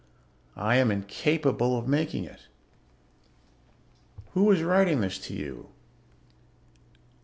I am incapable of making it. "Who is writing this to you?